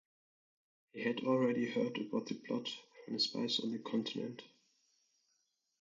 He had already heard about the plot from his spies on the Continent.